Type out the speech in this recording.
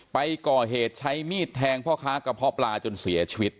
ไปก่อเหตุใช้มีดแทงพ่อค้ากระเพาะปลาจนเสียชีวิต